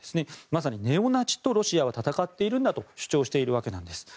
まさにネオナチとロシアが戦っているんだと主張しているんです。